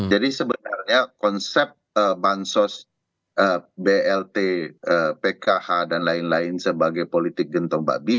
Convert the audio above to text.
jadi sebenarnya konsep bansos blt pkh dan lain lain sebagai politik gentong babi